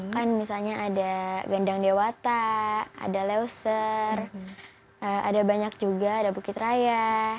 kan misalnya ada gendang dewata ada leuser ada banyak juga ada bukit raya